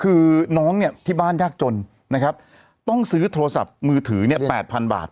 คือน้องที่บ้านยากจนต้องซื้อโทรศัพท์มือถือ๘๐๐๐บาท